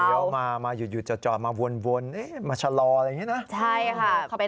เลี้ยวมามาหยุดเจาะมาวนมาชะลออะไรอย่างนี้นะ